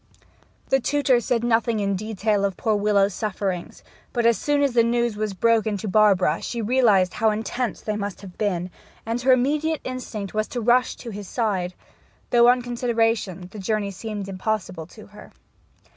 The tutor said nothing in detail of poor Willowes's sufferings, but as soon as the news was broken to Barbara she realized how intense they must have been, and her immediate instinct was to rush to his side, though, on consideration, the journey seemed impossible to her.